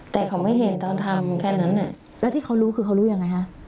แต่เขาไม่เห็นตอนทำแค่นั้นแล้วที่เขารู้คือเขารู้ยังไงฮะ